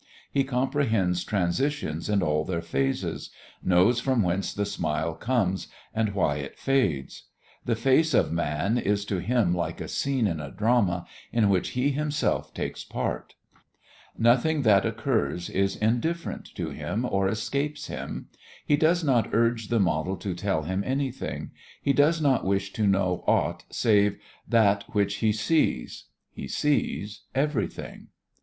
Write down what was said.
He comprehends transitions in all their phases, knows from whence the smile comes and why it fades. The face of man is to him like a scene in a drama in which he himself takes part. Nothing that occurs is indifferent to him or escapes him. He does not urge the model to tell him anything, he does not wish to know aught save that which he sees. He sees everything.